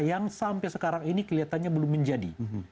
yang sampai sekarang ini kelihatannya belum menjadi